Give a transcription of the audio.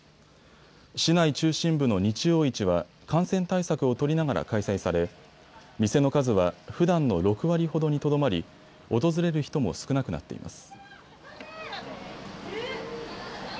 市内中心部の日曜市は感染対策を取りながら開催され店の数は、ふだんの６割ほどにとどまり訪れる人も少なくなっています。